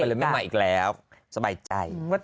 ให้จบแล้วไม่ใหม่อีกแล้วสบายใจ